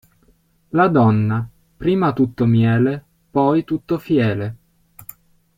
La donna, prima tutto miele, poi tutto fiele.